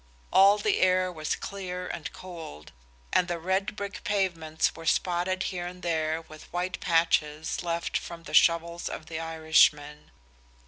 All the air was clear and cold, and the red brick pavements were spotted here and there with white patches left from the shovels of the Irishmen.